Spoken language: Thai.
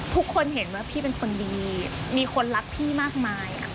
ทุกคนเห็นว่าพี่เป็นคนดีมีคนรักพี่มากมาย